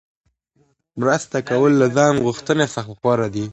مرسته کول له ځان غوښتنې څخه غوره دي.